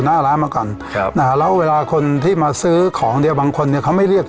หน้าร้านมาก่อนครับนะฮะแล้วเวลาคนที่มาซื้อของเดียวบางคนเนี่ยเขาไม่เรียก